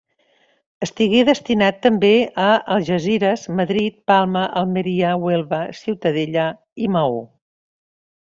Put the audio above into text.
Estigué destinat també a Algesires, Madrid, Palma, Almeria, Huelva, Ciutadella i Maó.